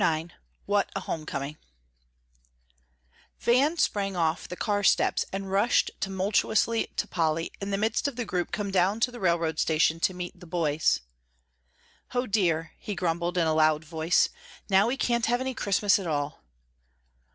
IX WHAT A HOME COMING Van sprang off the car steps and rushed up tumultuously to Polly in the midst of the group come down to the railroad station to meet the boys. "O dear," he grumbled in a loud voice, "now we can't have any Christmas at all."